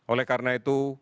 oleh karena itu